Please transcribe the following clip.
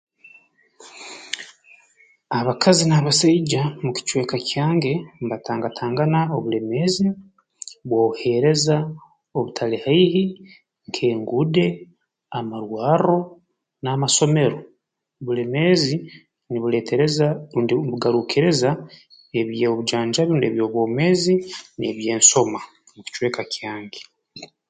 Abakazi n'abasaija mu kicweka kyange mbatangatangana obulemeezi bw'obuheereza obutali haihi nk'enguude amarwarro n'amasomero bulemeezi nubuleetereza rundi mbugaruukiriza eby'obujanjabi rundi eby'obwomeezi n'eby'ensoma mu kicweka kyange